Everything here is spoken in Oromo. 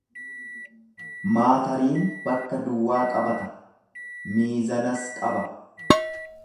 Maatariin bakka duwwaa qabata, miizanas qaba.